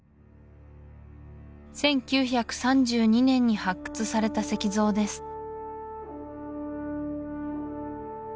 １９３２年に発掘された石像です